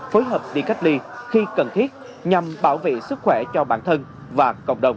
phối hợp đi cách ly khi cần thiết nhằm bảo vệ sức khỏe cho bản thân và cộng đồng